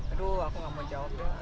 aduh aku enggak mau jawab ya